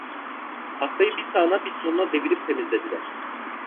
Hastayı bir sağına, bir soluna devirip temizlediler.